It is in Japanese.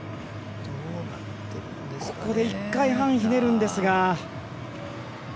ここで１回半ひねるんですが。